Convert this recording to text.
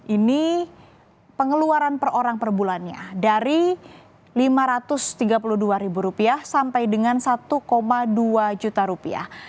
ini pengeluaran per orang per bulannya dari lima ratus tiga puluh dua ribu rupiah sampai dengan satu dua juta rupiah